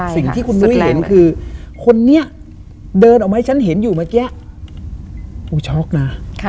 สิ่งที่คุณนุ้ยเห็นคือคนนี้เดินออกมาให้ฉันเห็นอยู่เมื่อกี้กูช็อกนะ